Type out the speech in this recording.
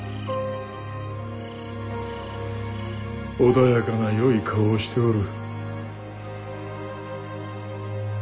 穏やかなよい顔をしておる。